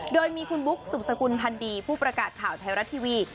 โดยมีคุณบุ๊กสุบสกุลพันธ์ดีผู้ประกาศข่าวไทยรัฐทีวี